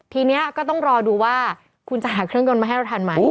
ทีนี้ก็ต้องรอดูว่าคุณจะหาเครื่องยนต์มาให้เราทันไหม